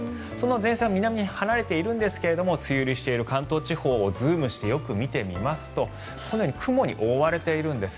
前線は南に離れているんですが梅雨入りしている関東地方をズームしてよく見てみますと雲に覆われているんです。